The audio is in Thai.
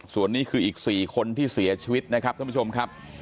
ส่วนนี้คืออีก๔คนที่เสียชีวิตนะครับท่านผู้ชมครับ